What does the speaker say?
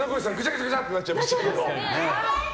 ぐちゃぐちゃってなっちゃいましたけど。